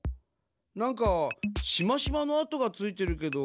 なんかしましまの跡がついてるけど。